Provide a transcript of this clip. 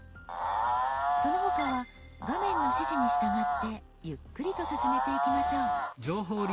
その他は画面の指示に従ってゆっくりと進めていきましょう。